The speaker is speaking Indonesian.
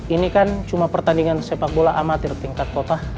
ini kan cuma pertandingan sepak bola amatir tingkat kota